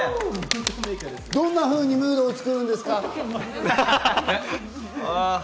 どんなふうにムードを作るんですか？